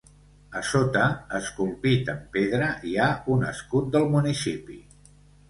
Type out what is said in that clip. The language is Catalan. A sota, esculpit amb pedra hi ha un escut del municipi.